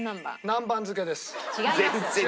南蛮漬けです。